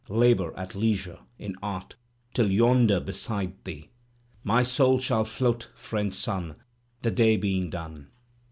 Labour, at leisure, in art, — till yonder beside thee My soul shall float, friend Sun, The day being done.